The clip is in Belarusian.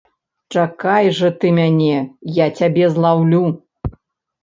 Чакай жа ты мяне, я цябе злаўлю!